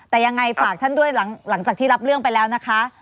แต่ยังไงฝากท่านด้วยหลังจากที่รับเรื่องไปแล้วนะคะ